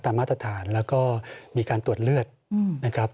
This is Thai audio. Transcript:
มาตรฐานแล้วก็มีการตรวจเลือดนะครับ